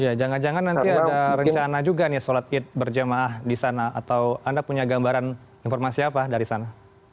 ya jangan jangan nanti ada rencana juga nih sholat id berjamaah di sana atau anda punya gambaran informasi apa dari sana